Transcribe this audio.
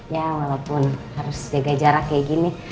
ya walaupun harus jaga jarak kayak gini